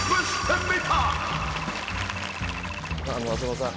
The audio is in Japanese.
浅野さん